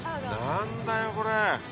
何だよこれ。